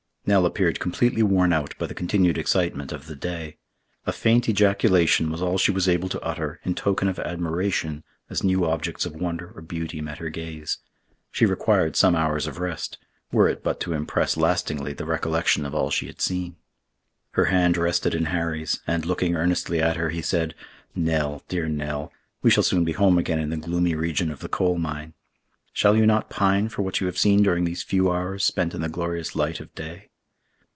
Nell appeared completely worn out by the continued excitement of the day. A faint ejaculation was all she was able to utter in token of admiration as new objects of wonder or beauty met her gaze. She required some hours of rest, were it but to impress lastingly the recollection of all she had seen. Her hand rested in Harry's, and, looking earnestly at her, he said, "Nell, dear Nell, we shall soon be home again in the gloomy region of the coal mine. Shall you not pine for what you have seen during these few hours spent in the glorious light of day?"